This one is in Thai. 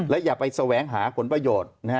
อย่าไปแสวงหาผลประโยชน์